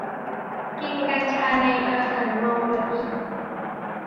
กินกัญชาในอาหารจะเมาไหม